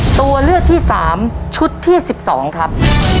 ตัวเลือกที่สามชุดที่สิบสองครับ